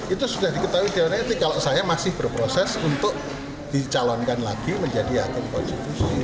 itu sudah diketahui di awal netik kalau saya masih berproses untuk dicalonkan lagi menjadi akun konstitusi